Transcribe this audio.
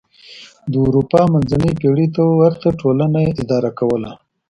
د اروپا منځنۍ پېړۍ ته ورته ټولنه یې اداره کوله.